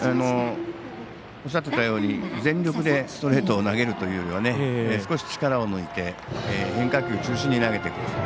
おっしゃってたように全力でストレートを投げるというよりは少し力を抜いて変化球中心に投げる。